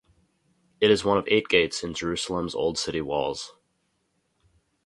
It is one of eight gates in Jerusalem's Old City walls.